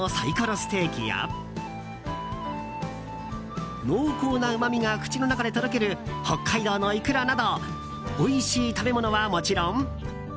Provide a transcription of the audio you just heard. ステーキや濃厚なうまみが口の中でとろける北海道のイクラなどおいしい食べ物はもちろん。